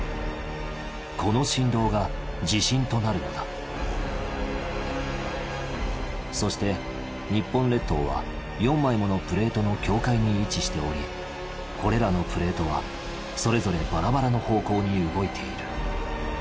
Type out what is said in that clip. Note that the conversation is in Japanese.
この振動が地震となるのだそして日本列島は４枚ものプレートの境界に位置しておりこれらのプレートはそれぞれバラバラの方向に動いている。